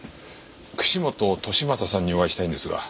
串本敏正さんにお会いしたいんですが。